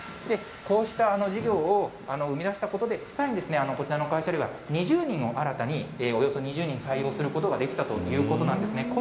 こうした事業を生み出したことで、さらにこちらの会社では、２０人を新たに、およそ２０人を採用することができたということなんですね。